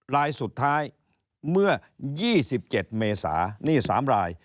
รายสุดท้ายเมื่อ๒๗เมษานี่๓ราย